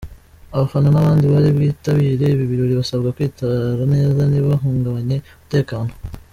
Abafana n’abandi bari bwitabire ibi birori basabwa kwitwara neza ntibahungabanye umutekano”.